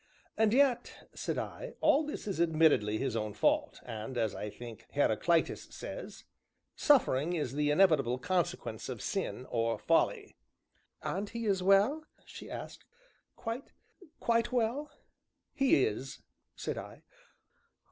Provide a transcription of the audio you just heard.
"And yet," said I, "all this is admittedly his own fault, and, as I think Heraclitus says: 'Suffering is the inevitable consequence of Sin, or Folly.'" "And he is well?" she asked; "quite quite well?" "He is," said I.